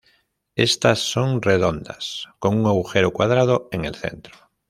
Estas son redondas, con un agujero cuadrado en el centro.